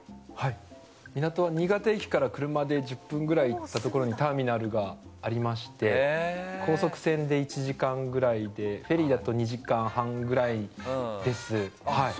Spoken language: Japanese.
港は新潟駅から車で１０分ぐらいのところにターミナルがありまして高速船で１時間ぐらいでフェリーだと２時間半くらいです。